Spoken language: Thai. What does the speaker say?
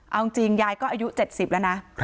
เอาจริงยายก็อายุ๗๐แล้วนะ